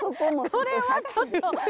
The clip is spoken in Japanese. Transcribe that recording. これはちょっと。